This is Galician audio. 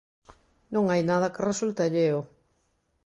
Non hai nada que resulte alleo.